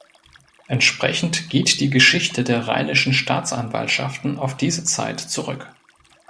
Entsprechend geht die Geschichte der rheinischen Staatsanwaltschaften auf diese Zeit zurück.